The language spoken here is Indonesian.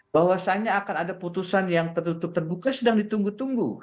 bahwasannya akan ada putusan yang tertutup terbuka sedang ditunggu tunggu